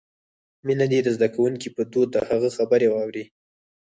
مينه دې د زدکونکې په دود د هغه خبرې واوري.